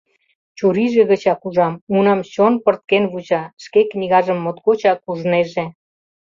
Чурийже гычак ужам: унам чон пырткен вуча, шке книгажым моткочак ужнеже.